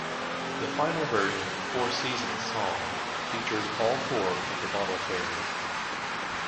The final version, "Four Seasons Song", features all four of the Bottle Fairies.